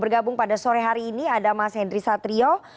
bergabung pada sore hari ini ada mas henry satrio